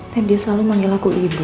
dan dia selalu manggil aku ibu